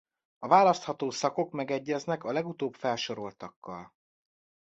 A választható szakok megegyeznek a legutóbb felsoroltakkal.